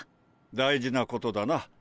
大事なことだな。